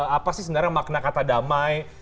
apa sih sebenarnya makna kata damai